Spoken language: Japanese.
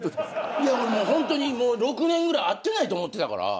いや俺ホントに６年ぐらい会ってないと思ってたから。